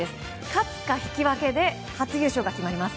勝つか、引き分けで初優勝が決まります。